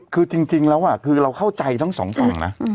คือจริงแล้วคือเราเข้าใจทั้งสองฝั่งนะ